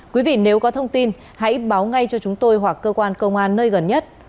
quý vị nếu có thông tin hãy báo ngay cho chúng tôi hoặc cơ quan công an nơi gần nhất